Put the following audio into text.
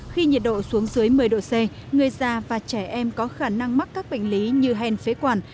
khi nhiệt độ xuống dưới một mươi độ c người già và trẻ em có khả năng mắc các bệnh lý như hèn phế quản